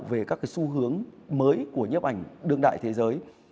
về các cái xu hướng mới của nhếp ảnh đương đại thế giới